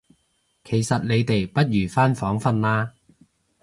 其實你哋不如返房訓啦